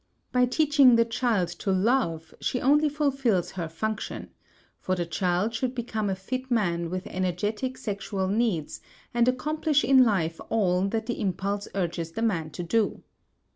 By teaching the child to love she only fulfills her function; for the child should become a fit man with energetic sexual needs, and accomplish in life all that the impulse urges the man to do.